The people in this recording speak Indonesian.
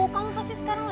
kamu pasti sekarang bisa